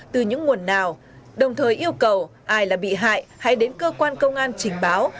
từ những nguồn nào đồng thời yêu cầu ai là bị hại hãy đến cơ quan công an trình báo